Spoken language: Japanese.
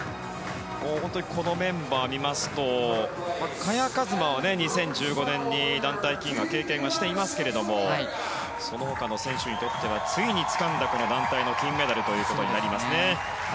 このメンバーを見ますと萱和磨は２０１５年に団体金は経験していますがその他の選手にとってはついにつかんだ団体の金メダルということになります。